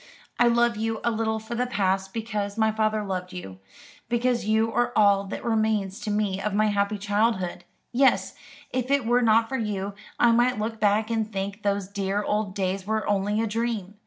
"I love you a little for the past, because my father loved you because you are all that remains to me of my happy childhood. Yes, if it were not for you, I might look back and think those dear old days were only a dream.